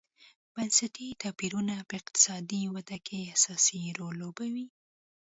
بنسټي توپیرونه په اقتصادي ودې کې اساسي رول لوبوي.